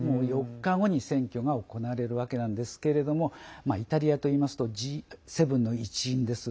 ４日後に選挙が行われるわけなんですけれどもイタリアといいますとＧ７の一員です。